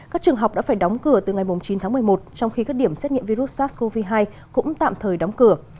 các trường học đã phải đóng cửa từ ngày chín tháng một mươi một trong khi các điểm xét nghiệm virus sars cov hai cũng tạm thời đóng cửa